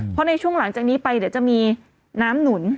เพราะช่วงหลังจากนี้ไปจะมีน้ำหนุน